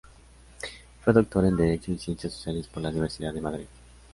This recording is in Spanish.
Fue doctor en Derecho y Ciencias Sociales por la Universidad de Madrid.